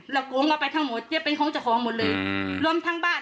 แล้วกูเอาไปทั้งหมดเนี่ยเป็นของจากของหมดเลยรวมทั้งบ้าน